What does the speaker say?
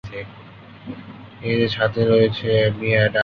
সাথে রয়েছেন Amy Adams.